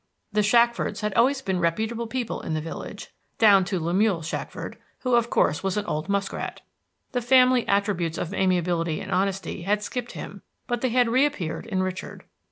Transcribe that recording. The Shackfords had always been reputable people in the village, down to Lemuel Shackford, who of course was an old musk rat. The family attributes of amiability and honesty had skipped him, but they had reappeared in Richard.